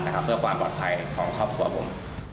เพื่อความปลอดภัยของครอบครัวผม